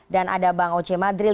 dan ada bang oce madril